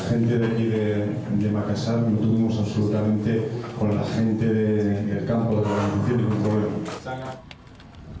orang dari makassar tidak memiliki masalah dengan orang di permainan